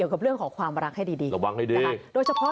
เอาเรื่องของคนมีคู่ว่า